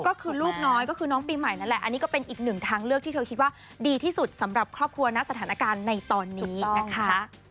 ก็คือลูกน้อยก็คือน้องปีใหม่นั่นแหละอันนี้ก็เป็นอีกหนึ่งทางเลือกที่เธอคิดว่าดีที่สุดสำหรับครอบครัวนะสถานการณ์ในตอนนี้นะคะ